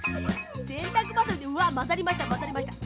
せんたくばさみでうわまざりましたまざりました。